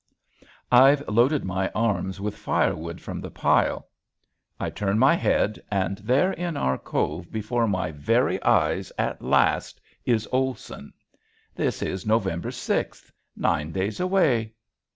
I've loaded my arms with firewood from the pile. I turn my head and there in our cove before my very eyes at last is Olson! This is November sixth, nine days away!